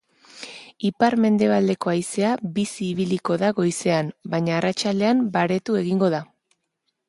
Ipar-mendebaldeko haizea bizi ibiliko da goizean, baina arratsaldean baretu egingo da.